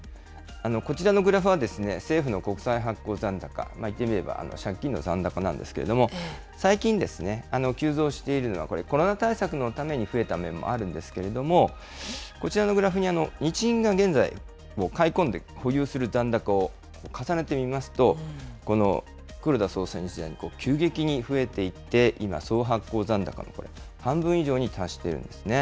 こちらのグラフは、政府の国債発行残高、言ってみれば借金の残高なんですけれども、最近、急増しているのは、コロナ対策のために増えた面もあるんですけれども、こちらのグラフに日銀が現在、買い込んで保有する残高を重ねてみますと、この黒田総裁の時代に急激に増えていって、今、総発行残高の半分以上に達しているんですね。